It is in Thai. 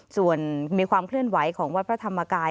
ส่วนมีความเคลื่อนไหวของวัดพระธรรมกาย